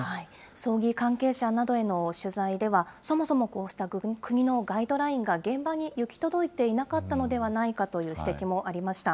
葬儀関係者などへの取材では、そもそもこうした国のガイドラインが現場に行き届いていなかったのではないかという指摘もありました。